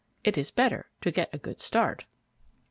It is better to get a good start."